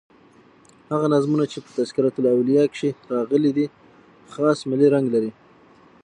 هغه نظمونه چي په "تذکرةالاولیاء" کښي راغلي دي خاص ملي رنګ لري.